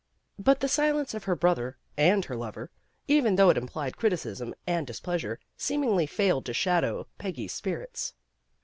But the silence of her brother and her lover, even though it implied criticism and dis pleasure, seemingly failed to shadow Peggy's spirits.